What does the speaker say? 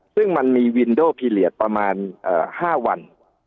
ซึ่งมันมีวินโดพีเรียสประมาณ๕วัน